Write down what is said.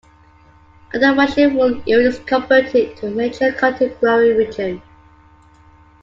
Under Russian rule, it was converted into a major cotton-growing region.